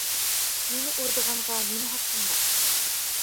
— مېنى ئۇرىدىغانغا نېمە ھەققىڭ بار!